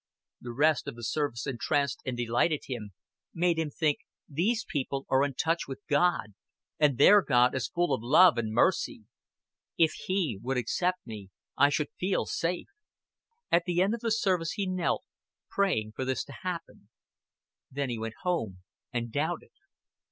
The rest of the service entranced and delighted him, made him think: "These people are in touch with God, and their God is full of love and mercy. If He would accept me, I should feel safe." At the end of the service he knelt, praying for this to happen. Then he went home and doubted.